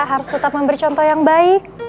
harus tetap memberi contoh yang baik